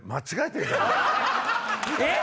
えっ！